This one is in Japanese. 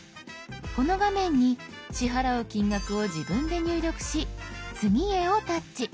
この画面に支払う金額を自分で入力し「次へ」をタッチ。